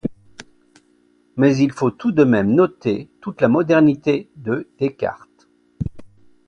Mais il faut tout de même noter toute la modernité de Descartes.